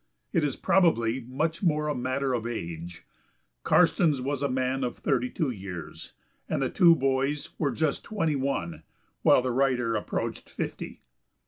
It is probably much more a matter of age. Karstens was a man of thirty two years, and the two boys were just twenty one, while the writer approached fifty.